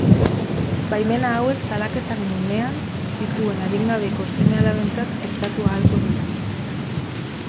Baimena hauek salaketaren unean dituen adingabeko seme-alabentzat eskatu ahalko dira.